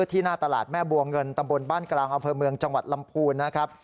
ที่หน้าตลาดแม่บัวเงินตำบลบ้านกลางอำเภอเมืองจังหวัดลำพูนนะครับ